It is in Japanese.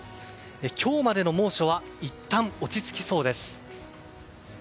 今日までの猛暑はいったん落ち着きそうです。